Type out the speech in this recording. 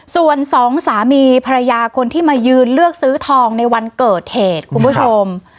ส่วนสองสามีภรรยาคนที่มายืนเลือกซื้อทองในวันเกิดเหตุคุณผู้ชม